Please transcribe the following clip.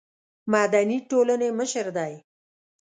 مدني ټولنې مشر دی.